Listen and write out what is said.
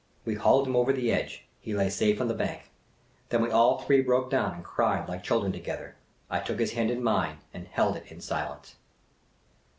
We hauled him over the edge. He lay safe on the bank. Then we all three broke down and cried like children together. I took his hand in mine and held it in silence.